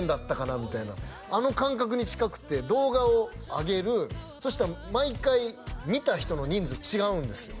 みたいなあの感覚に近くて動画を上げるそしたら毎回見た人の人数違うんですよ